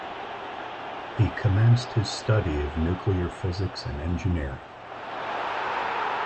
He commenced his study of nuclear physics and engineering.